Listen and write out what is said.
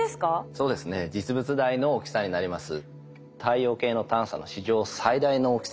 そうですね実物大の大きさになります。